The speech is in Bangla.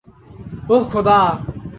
ওহ, খোদা!